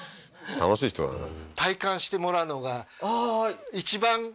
楽しい人だなはい